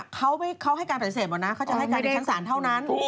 เขาให้การปศิษย์เหมือนเขาต้องให้ทุนสรรเท่านั้น